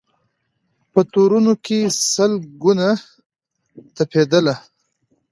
په تورونو کي سل ګونه تپېدله